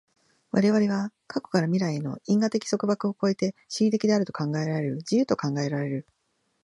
我々は過去から未来への因果的束縛を越えて思惟的であると考えられる、自由と考えられる。